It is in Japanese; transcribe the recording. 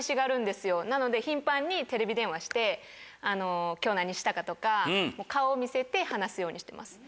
なので頻繁にテレビ電話して今日何したかとか顔見せて話すようにしてます。